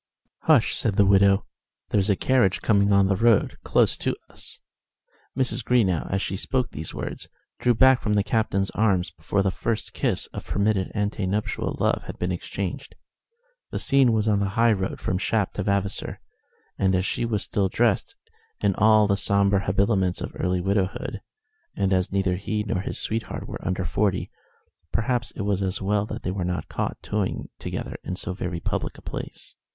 "Hush!" said the widow, "there's a carriage coming on the road close to us." Mrs. Greenow, as she spoke these words, drew back from the Captain's arms before the first kiss of permitted ante nuptial love had been exchanged. The scene was on the high road from Shap to Vavasor, and as she was still dressed in all the sombre habiliments of early widowhood, and as neither he nor his sweetheart were under forty, perhaps it was as well that they were not caught toying together in so very public a place.